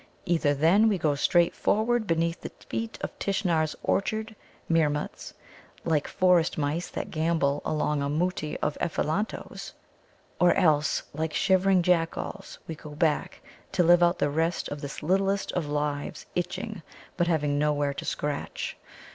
Either, then, we go straight forward beneath the feet of Tishnar's Orchard meermuts, like forest mice that gambol among a Mutti of Ephelantoes, or else, like shivering Jack Alls, we go back, to live out the rest of this littlest of lives itching, but having nowhere to scratch.